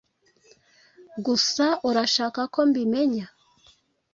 Gusa urashaka ko mbimenya?